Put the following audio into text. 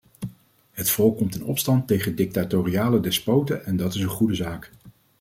Het volk komt in opstand tegen dictatoriale despoten en dat is een goede zaak.